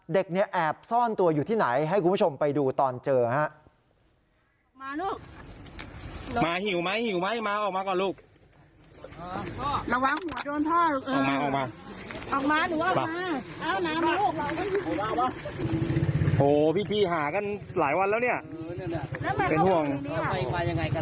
เด็กเนี่ยแอบซ่อนตัวอยู่ที่ไหนให้คุณผู้ชมไปดูตอนเจอฮะ